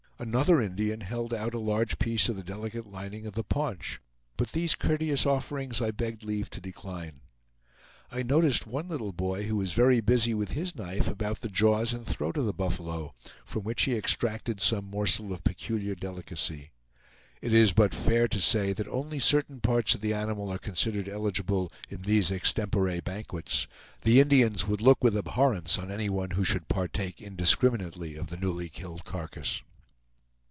Another Indian held out a large piece of the delicate lining of the paunch; but these courteous offerings I begged leave to decline. I noticed one little boy who was very busy with his knife about the jaws and throat of the buffalo, from which he extracted some morsel of peculiar delicacy. It is but fair to say that only certain parts of the animal are considered eligible in these extempore banquets. The Indians would look with abhorrence on anyone who should partake indiscriminately of the newly killed carcass.